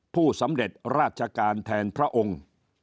ผู้สำเร็จราชการแทนพระองค์